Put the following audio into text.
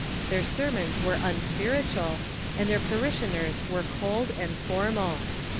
Their sermons were un spiritual, and their parishioners were cold and formal.